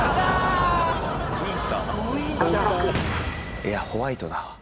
「いやホワイトだわ」